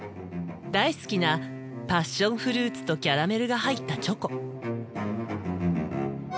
大好きなパッションフルーツとキャラメルが入ったチョコ。